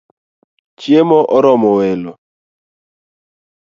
Chiemo oromo welo